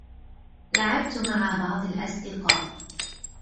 لعبت مع بعض الأصدقاء.